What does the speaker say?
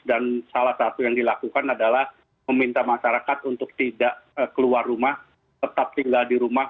dan salah satu yang dilakukan adalah meminta masyarakat untuk tidak keluar rumah tetap tinggal di rumah